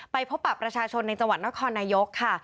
ไปพบปรัชชนในจังหวัดนครนายกค่ะ